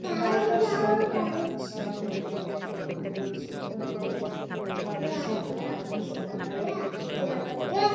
Bypass সড়কের আশরাফের মোড়ে পৌঁছলে ট্রাকের সামনে আগুন ছুড়ে মারে দুর্বৃত্তরা।